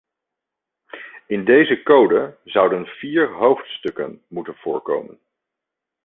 In deze code zouden vier hoofdstukken moeten voorkomen.